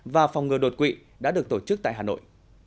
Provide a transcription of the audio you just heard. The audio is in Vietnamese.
và phòng ngừa đột quỵ đã được tổ chức tại hà nội